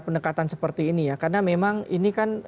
pendekatan seperti ini ya karena memang ini kan